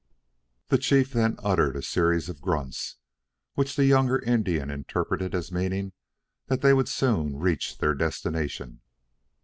The chief then uttered a series of grunts, which the younger Indian interpreted as meaning that they would soon reach their destination.